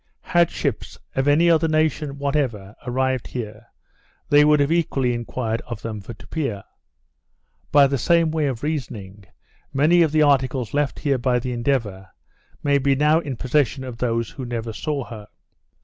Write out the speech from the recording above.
Had ships, of any other nation whatever, arrived here, they would have equally enquired of them for Tupia. By the same way of reasoning, many of the articles left here by the Endeavour, may be now in possession of those who never saw her.